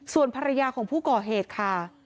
ส่วนภรรยาของผู้ก่อเหตุค่ะ